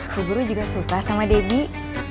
ibu guru juga suka sama debbie